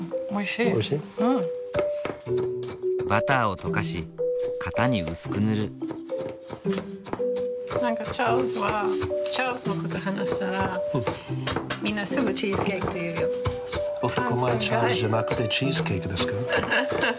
男前チャールズじゃなくてチーズケーキですか。